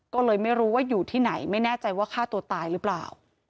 ก็เลยไม่รู้ว่าอยู่ที่ไหนไม่แน่ใจว่าฆ่าตัวตายหรือเปล่า